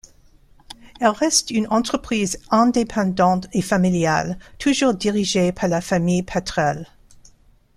Elle reste une entreprise indépendante et familiale, toujours dirigée par la famille Patrelle.